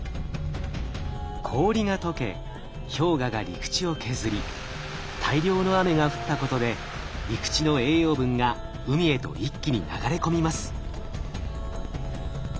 氷が解け氷河が陸地を削り大量の雨が降ったことで陸地の栄養分が海へと一気に流れ込みます。